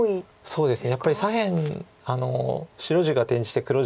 そうですね。